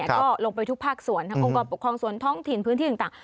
ก็ลงไปทุกภาคส่วนทั้งองค์กรปกครองส่วนท้องถิ่นพื้นที่ต่าง